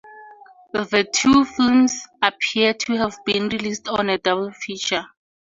The two films appear to have been released on a double feature.